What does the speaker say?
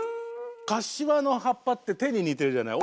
かしわの葉っぱって手に似てるじゃない。